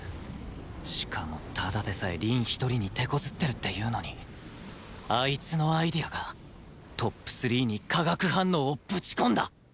しかもただでさえ凛一人に手こずってるっていうのにあいつのアイデアが ＴＯＰ３ に化学反応をぶち込んだ！